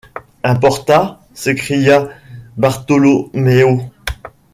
Un Porta? s’écria Bartholoméo.